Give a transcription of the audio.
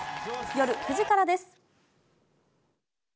夜９時からです。